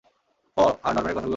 ওহ, আর নরম্যানের কথাগুলো?